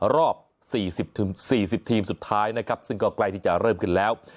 รอบ๔๐๔๐ทีมสุดท้ายนะครับซึ่งก็ใกล้ที่จะเริ่มขึ้นแล้ว